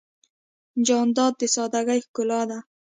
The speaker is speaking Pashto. جانداد د سادګۍ ښکلا ده.